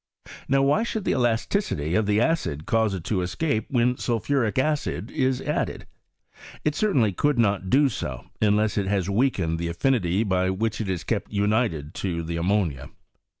Now, why should the elasticity of the acid cause it to escape when sulphuric acid is added ? It cer tainly could not do so, unless it has weakened the affinity by which it is kept united to the ammonia.